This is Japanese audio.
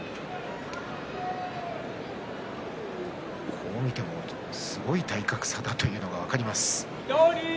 こう見てもすごい体格差だというのが分かります。